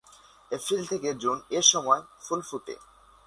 April থেকে June এইসময় ফুল ফোটে।